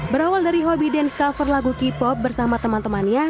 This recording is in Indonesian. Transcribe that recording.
berawal dari hobi dance cover lagu k pop bersama teman temannya